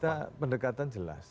kita pendekatan jelas